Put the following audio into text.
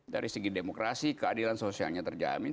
dari segi demokrasi keadilan sosialnya terjamin